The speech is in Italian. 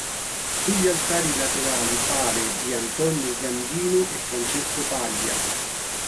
Sugli altari laterali pale di Antonio Gandino e Francesco Paglia.